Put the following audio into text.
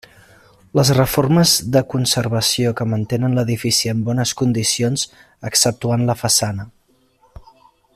Les reformes de conservació que mantenen l'edifici en bones condicions exceptuant la façana.